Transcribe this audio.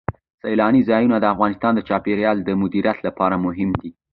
سیلانی ځایونه د افغانستان د چاپیریال د مدیریت لپاره مهم دي.